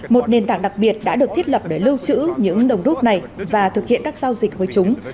một nền tảng đặc biệt đã được thiết lập để lưu trữ những đồng rút này và thực hiện các giao dịch với chúng